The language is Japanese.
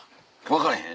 分かれへん？